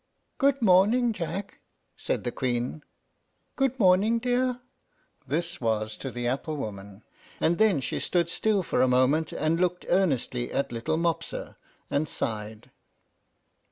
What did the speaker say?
"Good morning, Jack," said the Queen. "Good morning, dear." This was to the apple woman; and then she stood still for a moment and looked earnestly at little Mopsa, and sighed.